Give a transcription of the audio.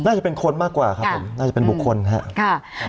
น่าจะเป็นคนมากกว่าครับผมน่าจะเป็นบุคคลครับ